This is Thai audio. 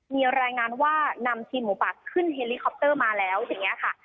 มีรายงานว่านำทีมหมูป่าขึ้นเฮลิคอปเตอร์มาแล้วอย่างนี้ค่ะ